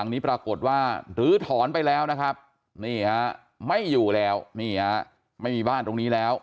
นี่ฮะไม่อยู่แล้วนี่ฮะไม่มีบ้านตรงนี้แล้ว